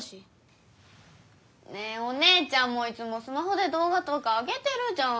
ねえお姉ちゃんもいつもスマホでどう画とかあげてるじゃん。